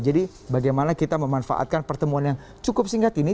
jadi bagaimana kita memanfaatkan pertemuan yang cukup singkat ini